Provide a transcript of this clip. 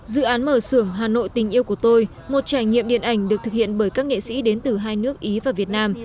dự án mở sưởng hà nội tình yêu của tôi một trải nghiệm điện ảnh được thực hiện bởi các nghệ sĩ đến từ hai nước ý và việt nam